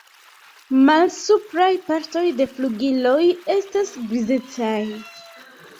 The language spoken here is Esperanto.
Malsupraj partoj de flugiloj estas grizecaj.